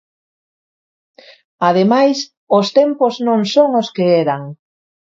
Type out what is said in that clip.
Ademais, os tempos non son os que eran.